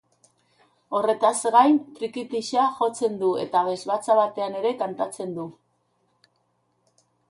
Horretaz gain, trikitixa jotzen du eta abesbatza batean ere kantatzen du.